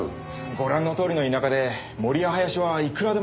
ご覧のとおりの田舎で森や林はいくらでもありますからね。